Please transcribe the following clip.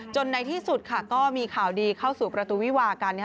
ในที่สุดก็มีข่าวดีเข้าสู่ประตูวิวากัน